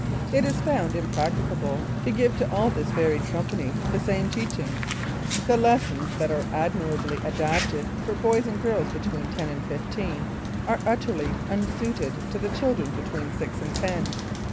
It is found impracticable to give to all this varied company the same teaching. The lessons that are admirably adapted for boys and girls between ten and fifteen are utterly unsuited to the children between six and ten.